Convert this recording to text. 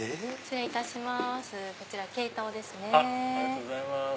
失礼いたします。